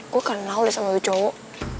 gue kenal deh sama itu cowok